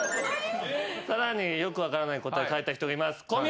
さらによく分からない答え書いた人がいます。